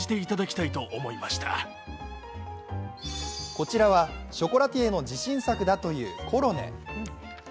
こちらは、ショコラティエの自信作だというコロネ。